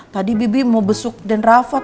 tadi bibi mau besuk den rafa tau gak jenguk